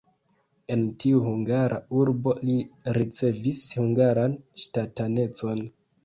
En tiu hungara urbo li ricevis hungaran ŝtatanecon.